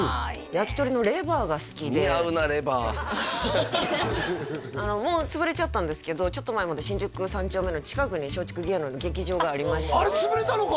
焼き鳥のレバーが好きでレバーもう潰れちゃったんですけどちょっと前まで新宿三丁目の近くに松竹芸能の劇場がありましてあれ潰れたのか？